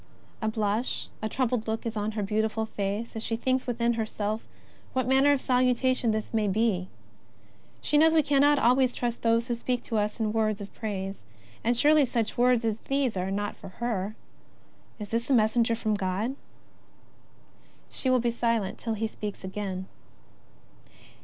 A blush, a troubled look is on . her beautiful face as she thinks within herself what manner of salutation this may be. She knows we can ^ not always trust those who speak to us in words of praise, and surely such words as these are not for her. Is this a messenger from God ? She will be silent till he speaks again.